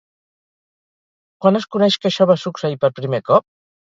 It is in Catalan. Quan es coneix que això va succeir per primer cop?